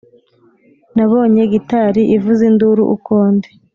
nabonye gitari ivuza induru uko ndi